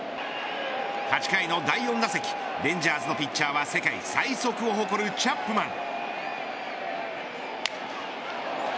８回の第４打席レンジャーズのピッチャーは世界最速を誇るチャップマン。